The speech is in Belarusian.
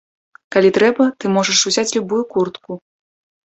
Калі трэба, ты можаш узяць любую куртку.